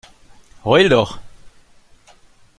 Heul doch!